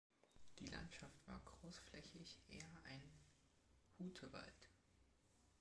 Die Landschaft war großflächig eher ein Hutewald.